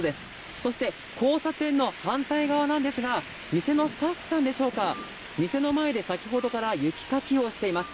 そして交差点の反対側なんですが店のスタッフさんでしょうか、店の前で先ほどから雪かきをしています。